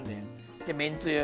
でめんつゆ。